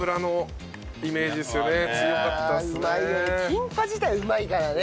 キンパ自体うまいからね。